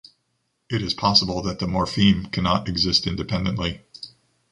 It is possible that the morpheme cannot exist independently.